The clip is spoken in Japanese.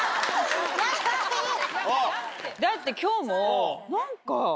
ヤバい！だって今日も何か。